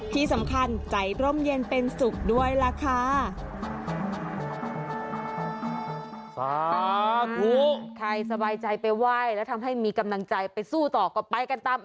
ที่สำคัญใจร่มเย็นเป็นสุขด้วยล่ะค่ะ